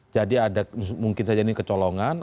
ada mungkin saja ini kecolongan